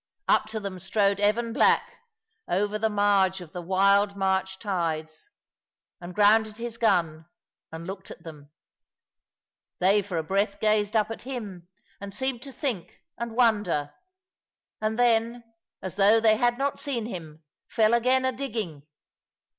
Up to them strode Evan black, over the marge of the wild March tides; and grounded his gun and looked at them. They for a breath gazed up at him, and seemed to think and wonder; and then, as though they had not seen him, fell again a digging.